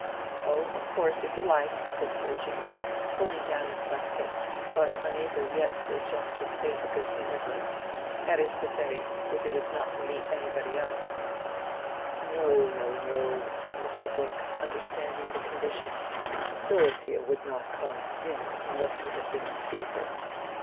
"Oh, of course, if you like," said Sir James, pulling down his waistcoat, but unable yet to adjust his face good humoredly. "That is to say, if it is not to meet anybody else." "No, no, no," said Mr. Brooke, understanding the condition. "Dorothea would not come, you know, unless you had been to see her."